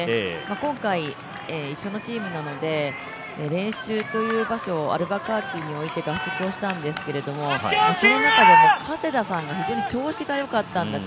今回、一緒のチームなので、練習の場所をアルバカーキにおいて合宿をしたんですが、その中でも加世田さんが非常に調子が良かったんです。